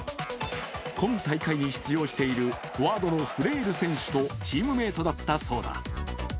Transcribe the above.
今大会に出場しているフォワードのフレール選手とチームメイトだったそうだ。